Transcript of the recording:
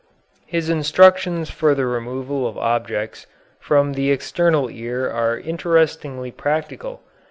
His instructions for the removal of objects from the external ear are interestingly practical.